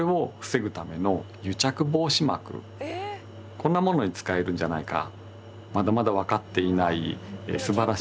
こんなものに使えるんじゃないか。